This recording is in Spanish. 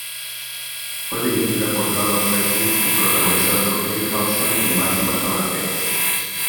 Fue dirigida por Donald Petrie y protagonizada por Kate Hudson y Matthew McConaughey.